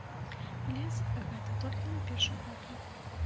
Лес гэта толькі на першы погляд.